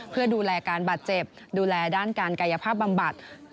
เพื่อดูแลการบาดเจ็บดูแลด้านการกายภาพบำบัด